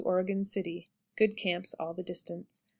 Oregon City. Good camps all the distance.